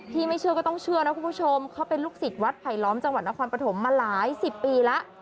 ไม่เชื่อก็ต้องเชื่อนะคุณผู้ชมเขาเป็นลูกศิษย์วัดไผลล้อมจังหวัดนครปฐมมาหลายสิบปีแล้ว